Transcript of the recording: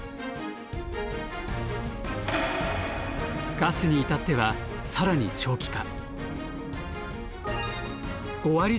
ガスに至ってはさらに長期化。